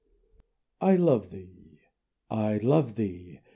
I love thee I love thee!